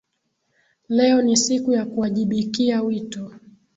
Leo ni siku ya kuwajibikia wito